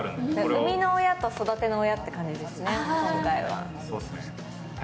生みの親と育ての親という感じですね、今回は。